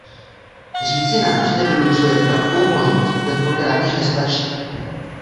Říci nám, že nevylučujete takovou možnost, tentokrát již nestačí.